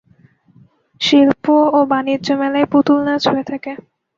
শিল্প ও বাণিজ্য মেলায় পুতুল নাচ হয়ে থাকে।